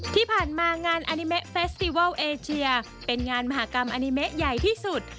ที่ผ่านมางานอานิเมะเฟสติวัลเอเชียเป็นงานมหากรรมอนิเมะใหญ่ที่สุด